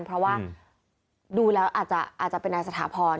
เพราะว่าดูแล้วอาจจะเป็นนายสถาพร